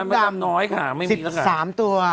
มดดำ๑๓ตัว